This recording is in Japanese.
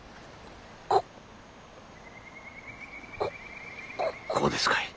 こここうですかい？